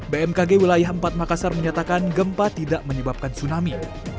bmkg wilayah empat makassar menyatakan gempa tidak menyebabkan tsunami